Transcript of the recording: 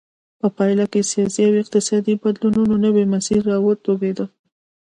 په پایله کې د سیاسي او اقتصادي بدلونونو نوی مسیر را وټوکېد.